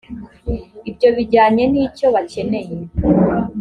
ibyo bijyanye n’icyo bakeneye